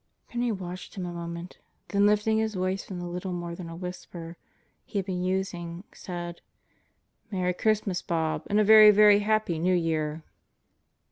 Penney watched him a moment, then lifting his voice from the little more than whisper he had been using, said, "Merry Christmas, Bob. And a very, very Happy New Year!"